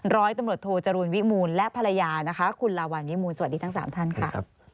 ร้อยตำรวจโทจรูลวิมูลและภรรยานะคะคุณลาวานิมูลสวัสดีทั้ง๓ท่านค่ะ